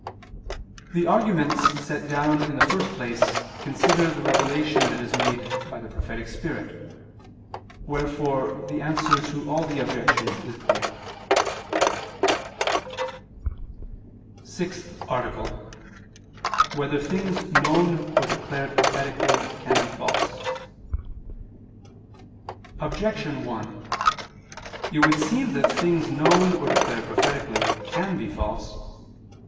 The arguments set down in the first place consider the revelation that is made by the prophetic spirit; wherefore the answer to all the objections is clear. _______________________ SIXTH ARTICLE [II II, Q. 171, Art. 6] Whether Things Known or Declared Prophetically Can Be False? Objection 1: It would seem that things known or declared prophetically can be false.